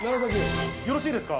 よろしいですか？